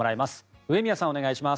上宮さん、お願いします。